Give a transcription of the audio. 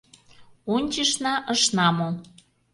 Ончышна, ышна му.